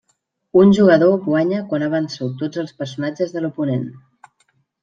Un jugador guanya quan ha vençut tots els personatges de l'oponent.